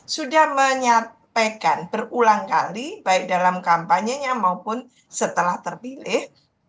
sudah menyampaikan berulang kali baik dalam kampanyenya maupun setelah terpilih